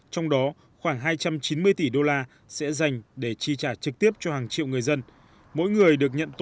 trong đó khoảng hai trăm chín mươi tỷ đô la sẽ dành để chi trị